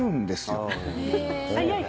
早い。